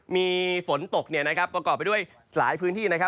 มีฝนตกประกอบไปด้วยหลายพื้นที่นะครับ